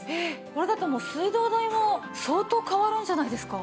これだったらもう水道代も相当変わるんじゃないですか？